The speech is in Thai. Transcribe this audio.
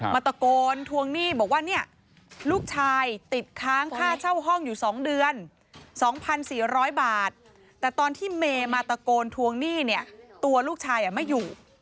มาตะโกนทวงหนี้บอกว่าเนี่ยลูกชายติดค้างค่าเช่าห้องอยู่๒เดือน๒๔๐๐บาทแต่ตอนที่เมย์มาตะโกนทวงหนี้เนี่ยตัวลูกชายไม่อยู่